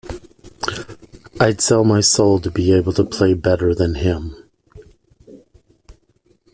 I’d sell my soul to be able to play better than him.